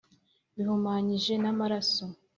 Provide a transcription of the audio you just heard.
bihumanyije n’amaraso,